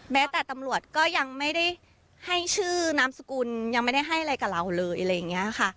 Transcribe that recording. แม้แต่ตำรวจก็ยังไม่ได้ให้ชื่อนามสกุลยังไม่ได้ให้อะไรกับเราเลย